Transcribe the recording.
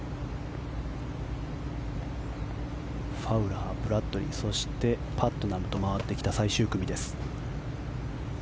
ファウラー、ブラッドリーそしてパットナムと回ってきた最終組です。